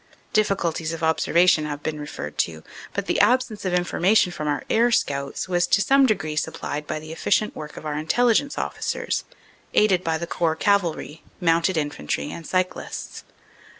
Difficulties of observation have been referred to, but the absence of information from our air scouts was to some degree supplied by the efficient work of our Intelligence Officers, aided by the Corps Cavalry, mounted infantry and cyclists.